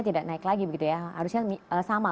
tidak naik lagi harusnya sama